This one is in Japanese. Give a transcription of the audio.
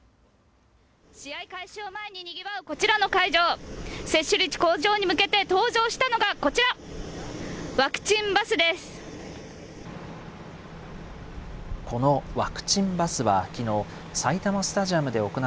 試合開始を前ににぎわうこちらの会場、接種率向上に向けて登場したのがこちら、ワクチンバスです。